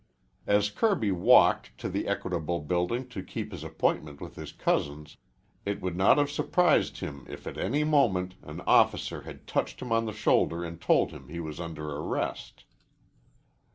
As Kirby walked to the Equitable Building to keep his appointment with his cousins, it would not have surprised him if at any moment an officer had touched him on the shoulder and told him he was under arrest.